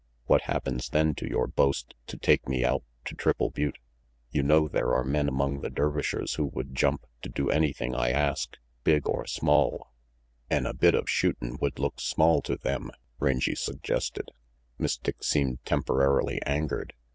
What happens then to your boast to take me out to Triple Butte? You know there are men among the Dervishers who would jump to do anything I ask, big or small "" An' a bit of shootin' would look small to them," Rangy suggested. 310 RANGY PETE Miss Dick seemed temporarily angered.